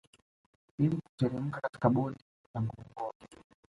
Ili kuteremka katika bonde la ngorongoro